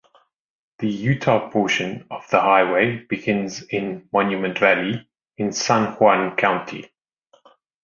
The Utah portion of the highway begins in Monument Valley, in San Juan County.